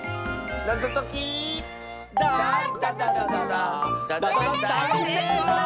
だいせいこう！